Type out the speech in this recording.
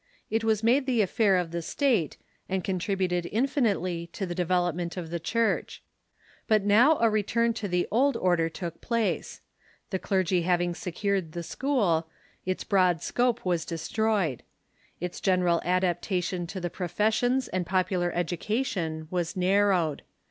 It was made the affair of the State, and con tributed infinitely to the development of the Church. But now a return to the old order took place. The clergy having secured the school, its broad scope w^as destroyed. Its general adaptation to the professions and popular education was nar rowed.